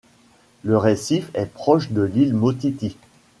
Le récif est proche de l'île Motiti.